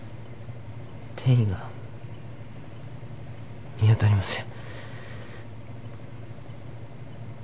転移が見当たりません。